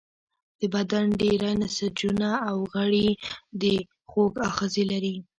د بدن ډیری نسجونه او غړي د خوږ آخذې لري.